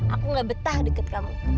aku gak betah deket kamu